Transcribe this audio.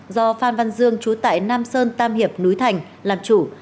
do phan văn dương trú tại nam sơn tam hiệp núi thành làm chủ